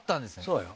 そうよ